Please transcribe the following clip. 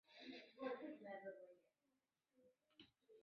淋巴结的增大经常代表异常。